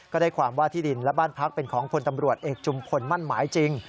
ได้ความว่าที่ดินและบ้านพักเป็นของพลตำรวจเอกจุมพลมั่นหมายจริง